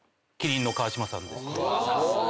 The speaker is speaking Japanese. ・さすが。